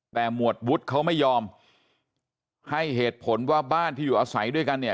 แต่หมวดวุฒิเขาไม่ยอมให้เหตุผลว่าบ้านที่อยู่อาศัยด้วยกันเนี่ย